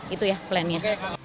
itu ya plannya